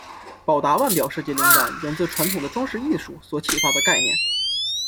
宝达腕表设计灵感源自传统的装饰艺术所启发的概念。